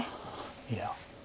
いや。